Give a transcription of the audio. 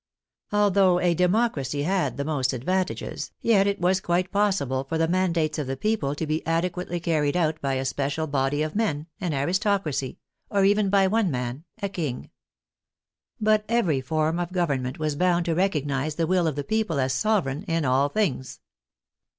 Although a democracy had the most advantages, yet it was quite possible for the mandates of the people to be adequately carried out by a special body of men (an aristocracy), or even by one man (a king). But every form of government was bound to recognize the will of the people as sovereign in all things.